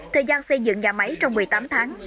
thời gian xây dựng nhà máy trong một mươi tám tháng